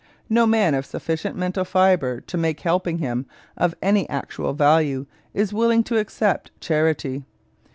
No man of sufficient mental fiber to make helping him of any actual value is willing to accept charity.